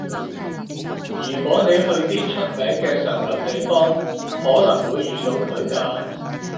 如果你去啲出名嘅上流地方，可能會遇到佢㗎